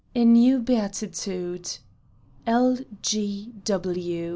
A NEW BEATITUDE L.